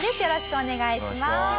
よろしくお願いします。